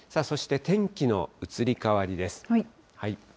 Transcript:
そして天気の移り変わりです。